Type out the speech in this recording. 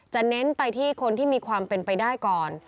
เน้นไปที่คนที่มีความเป็นไปได้ก่อน